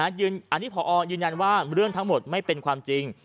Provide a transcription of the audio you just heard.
อันนี้พอยืนยันว่าเรื่องทั้งหมดไม่เป็นความจริง